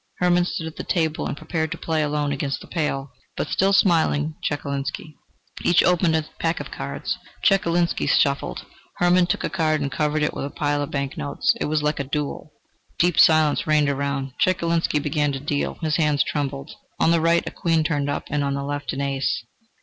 Hermann stood at the table and prepared to play alone against the pale, but still smiling Chekalinsky. Each opened a pack of cards. Chekalinsky shuffled. Hermann took a card and covered it with a pile of bank notes. It was like a duel. Deep silence reigned around. Chekalinsky began to deal; his hands trembled. On the right a queen turned up, and on the left an ace.